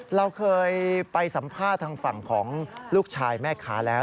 เราเคยไปสัมภาษณ์ทางฝั่งของลูกชายแม่ค้าแล้ว